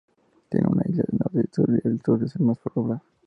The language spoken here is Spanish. Tiene una isla del norte y del sur, el sur es la más poblada.